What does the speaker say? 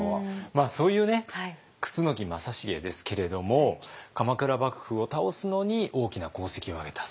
そういうね楠木正成ですけれども鎌倉幕府を倒すのに大きな功績を挙げた。